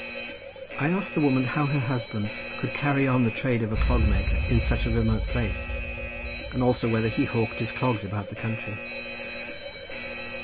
I asked the woman how her husband could carry on the trade of a clog maker in such a remote place—and also whether he hawked his clogs about the country.